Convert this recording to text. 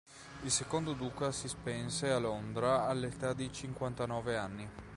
Il secondo duca si spense a Londra all'età di cinquantanove anni.